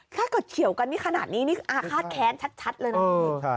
เฉียวกันนี่ขนาดนี้นี่อาฆาตแค้นชัดเลยนะ